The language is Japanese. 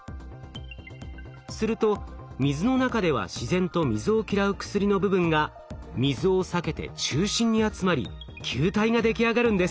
すると水の中では自然と水を嫌う薬の部分が水を避けて中心に集まり球体が出来上がるんです。